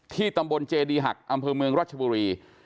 ตำบลเจดีหักอำเภอเมืองรัชบุรี